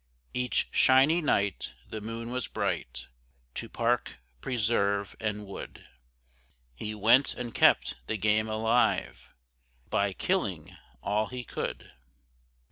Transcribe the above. Each "shiny night" the moon was bright, To park, preserve, and wood He went, and kept the game alive, By killing all he could.